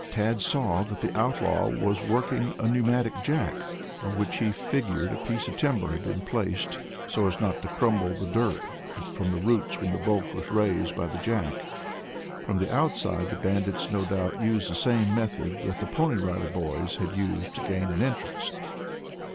Tad saw that the outlaw was working a pneumatic jack, on which he figured a piece of timber had been placed so as not to crumble the dirt from the roots when the bulk was raised by the jack. From the outside the bandits no doubt used the same method that the Pony Rider Boys had used to gain an entrance.